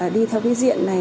đi theo cái diện này